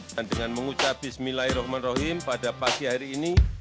dan dengan mengucap bismillahirrahmanirrahim pada pagi hari ini